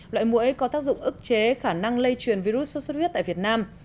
loại mũi có tác dụng ức chế khả năng lây truyền virus sốt xuất huyết tại việt nam